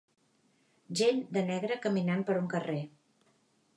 Gent de negre caminant per un carrer.